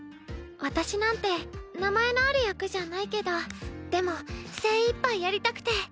私なんて名前のある役じゃないけどでも精いっぱいやりたくて。